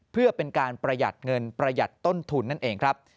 เพื่อเป็นการประหยัดเงินประหยัดต้นทุนนั่นเองครับ